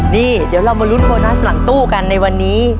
นี่เดี๋ยวเรามาลุ้นโบนัสหลังตู้กันในวันนี้